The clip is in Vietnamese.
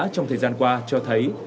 trong thời gian qua cho thấy